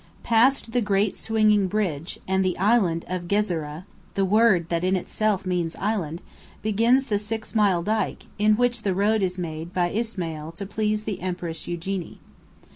Past the great swinging bridge, and the Island of Ghezireh (the word that in itself means "island") begins the six mile dyke, which is the road made by Ismaïl to please the Empress Eugénie.